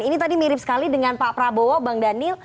ini tadi mirip sekali dengan pak prabowo bang daniel